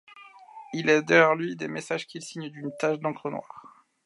Il laisse derrière lui des messages qu'il signe d'une tache d'encre noire.